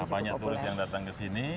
banyak turis yang datang ke sini